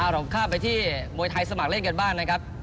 เราข้ามไปที่มวยไทยสมัครเล่นกันบ้างนะครับ